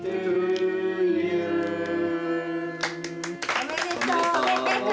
おめでとう。